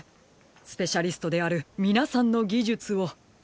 スペシャリストであるみなさんのぎじゅつを。